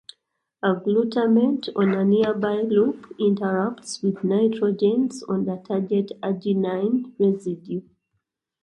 A glutamate on a nearby loop interacts with nitrogens on the target arginine residue.